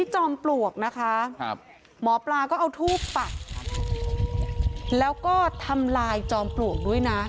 จอมปลวกนะคะหมอปลาก็เอาทูบปักแล้วก็ทำลายจอมปลวกด้วยนะ